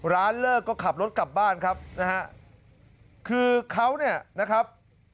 เลิกก็ขับรถกลับบ้านครับนะฮะคือเขาเนี่ยนะครับ